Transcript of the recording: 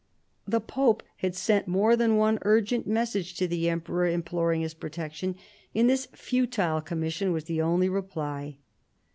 The pope had sent more than one urgent message to the emperor imploring his protection, and this futile commission was the only reply.